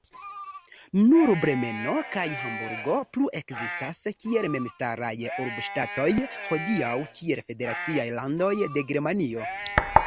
Nur Bremeno kaj Hamburgo plu-ekzistas kiel memstaraj urboŝtatoj, hodiaŭ kiel federaciaj landoj de Germanio.